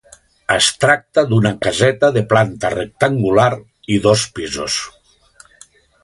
Es tracta d'una caseta de planta rectangular i dos pisos.